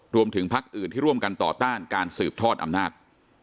พักอื่นที่ร่วมกันต่อต้านการสืบทอดอำนาจ